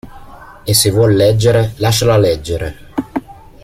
E se vuol leggere, lasciala leggere!